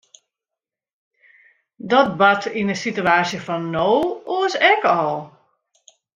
Dat bart yn de sitewaasje fan no oars ek al.